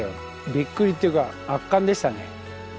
びっくりっていうか圧巻でしたね。